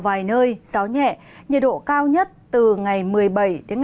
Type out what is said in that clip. vài nơi gió nhẹ nhiệt độ cao nhất từ ngày một mươi bảy một mươi chín tháng một mươi hai